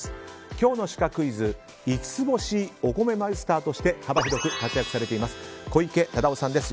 今日のシカクイズ五ツ星お米マイスターとして幅広く活躍されています小池理雄さんです。